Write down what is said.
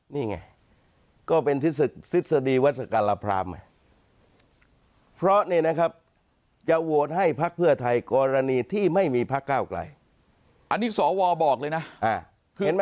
นี่ไงก็เป็นทฤษฎีวัศกรรมเพราะนี่นะครับจะโหวตให้ภักดิ์เพื่อไทยกรณีที่ไม่มีภักดิ์ก้าวไกล